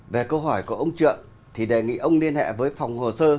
về câu hỏi của ông trượng thì đề nghị ông liên hệ với phòng hồ sơ